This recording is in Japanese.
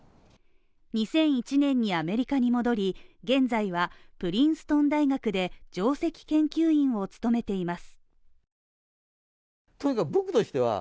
２００１年にアメリカに戻り現在はプリンストン大学で上席研究員を務めています。